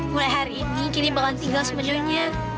mulai hari ini kini bakalan tinggal sama nyonya